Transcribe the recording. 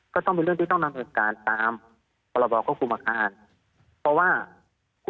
ก็ต้องมีเรื่องที่ต้องนำอำนวงการตาม